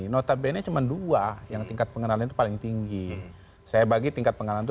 notabene cuma dua yang tingkat pengenalan itu paling tinggi saya bagi tingkat pengenalan itu